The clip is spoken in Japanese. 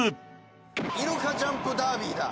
イルカジャンプダービーだ。